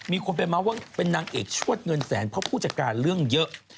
มีคนไปเมาส์ว่าเป็นนางเอกชวดเงินแสนเพราะผู้จัดการเรื่องเยอะ